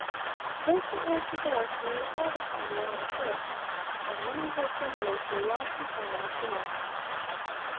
Thus it was with us, nearly all the time we were on the coast, and many of our Sabbaths were lost entirely to us.